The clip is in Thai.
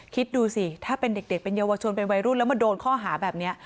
คิดดูสิถ้าเป็นเด็กเป็นเยาวชนเป็นวัยรุ่นแล้วมาโดนข้อหาแบบนี้